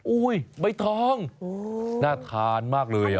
ใบทองน่าทานมากเลย